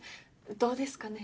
どうですかね？